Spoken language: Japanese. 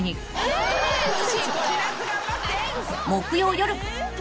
［木曜夜］